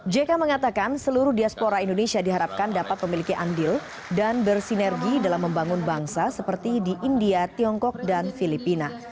jk mengatakan seluruh diaspora indonesia diharapkan dapat memiliki andil dan bersinergi dalam membangun bangsa seperti di india tiongkok dan filipina